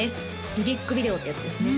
リリックビデオってやつですね